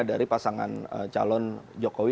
dari pasangan calon jokowi